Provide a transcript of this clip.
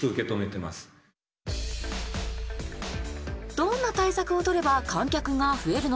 どんな対策をとれば観客が増えるのか。